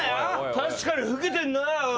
確かに老けてんな。